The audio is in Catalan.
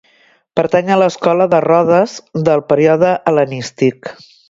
Pertany a l'escola de Rodes del període hel·lenístic.